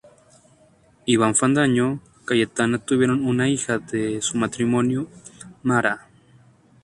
Iván Fandiño y Cayetana tuvieron una hija de su matrimonio, Mara.